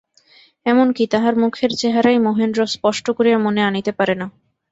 এমন কি, তাহার মুখের চেহারাই মহেন্দ্র স্পষ্ট করিয়া মনে আনিতে পারে না।